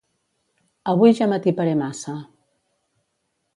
Avui ja m'atiparé massa